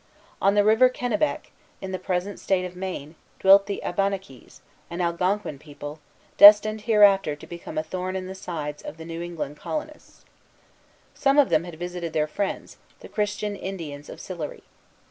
On the River Kennebec, in the present State of Maine, dwelt the Abenaquis, an Algonquin people, destined hereafter to become a thorn in the sides of the New England colonists. Some of them had visited their friends, the Christian Indians of Sillery.